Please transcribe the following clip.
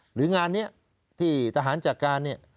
หรืองานนี้ที่ทหารจัดการเนี่ย